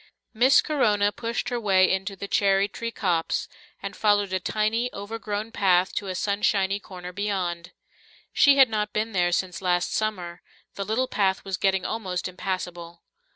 Miss Corona pushed her way into the cherry tree copse, and followed a tiny, overgrown path to a sunshiny corner beyond. She had not been there since last summer; the little path was getting almost impassable.